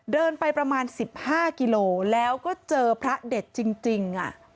เดินไปประมาณ๑๕กิโลแล้วก็เจอพระเด็ดจริง